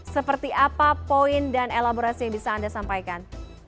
seperti apa poin dan elaborasi yang bisa anda sampaikan